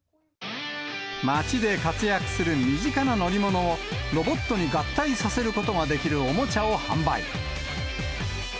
街で活躍する身近な乗り物を、ロボットに合体させることができるおもちゃを販売。